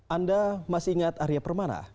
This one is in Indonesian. anda masih ingat arya permana